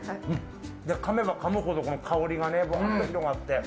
かめばかむほど香りが本当広がって。